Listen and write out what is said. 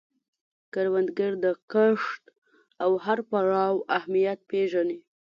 کروندګر د کښت د هر پړاو اهمیت پېژني